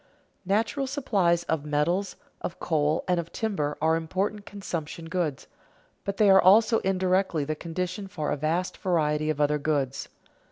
Natural supplies of metals, of coal, and of timber are important consumption goods, but they are also indirectly the condition for a vast variety of other goods.